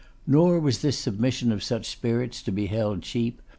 Nor was this submission of such spirits to be held cheap.